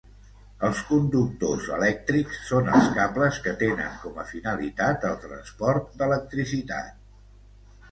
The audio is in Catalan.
Els conductors elèctrics són els cables que tenen com a finalitat el transport d'electricitat.